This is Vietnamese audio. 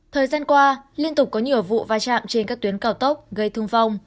thời gian qua liên tục có nhiều vụ vai trạm trên các tuyến cao tốc gây thương vong